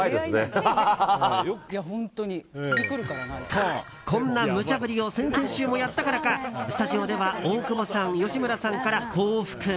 と、こんなむちゃ振りを先々週もやったからかスタジオでは大久保さん、吉村さんから報復が。